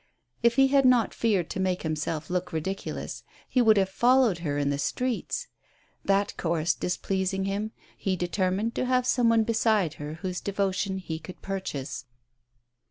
If he had not feared to make himself look ridiculous, he would have followed her in the streets. That course displeasing him, he determined to have some one beside her whose devotion he could purchase.